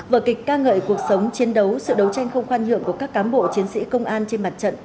vở kịch ca ngợi cuộc sống chiến đấu sự đấu tranh không khoan nhượng của các cán bộ chiến sĩ công an trên mặt trận